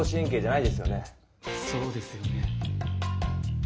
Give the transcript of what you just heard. そうですよね。